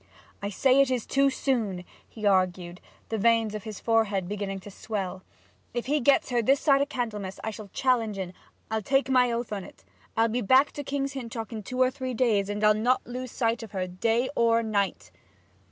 'I say it is too soon!' he argued, the veins of his forehead beginning to swell. 'If he gets her this side o' Candlemas I'll challenge en I'll take my oath on't! I'll be back to King's Hintock in two or three days, and I'll not lose sight of her day or night!'